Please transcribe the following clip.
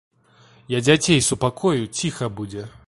Я дзяцей супакою, ціха будзе.